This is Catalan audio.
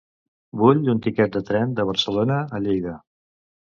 Vull un tiquet de tren de Barcelona a Lleida.